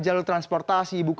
jalan transportasi publik